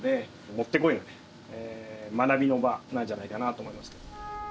もってこいの学びの場なんじゃないかなと思います。